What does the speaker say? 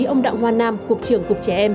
ông đặng hoa nam cục trưởng cục trẻ em